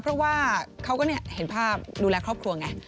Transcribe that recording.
เพราะว่าเขาก็เห็นภาพดูแลครอบครัวไง